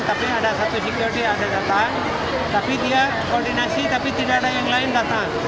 tapi ada satu jpo yang ada datang tapi dia koordinasi tapi tidak ada yang lain datang